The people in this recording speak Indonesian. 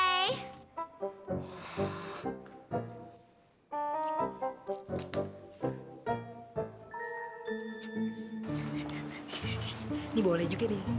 ini boleh juga nih